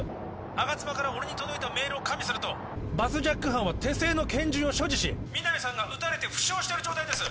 吾妻から俺に届いたメールを加味するとバスジャック犯は手製の拳銃を所持し皆実さんが撃たれて負傷してる状態です